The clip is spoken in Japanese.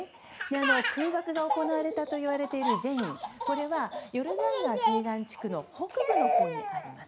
空爆が行われたといわれるジェインはヨルダン川西岸地区の北部にあります。